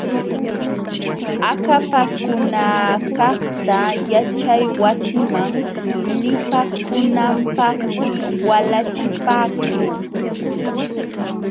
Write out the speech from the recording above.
Akapakunakaqta yaćhaywasiman lipakunanpaqmi walachipaakuu.